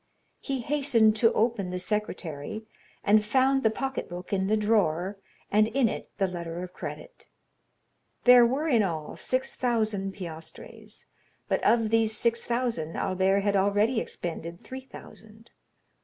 He hastened to open the secrétaire, and found the pocket book in the drawer, and in it the letter of credit. There were in all six thousand piastres, but of these six thousand Albert had already expended three thousand.